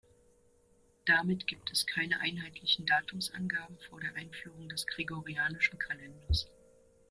Damit gibt es keine einheitlichen Datumsangaben vor der Einführung des Gregorianischen Kalenders.